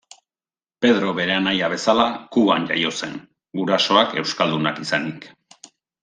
Pedro bere anaia bezala, Kuban jaio zen, gurasoak euskaldunak izanik.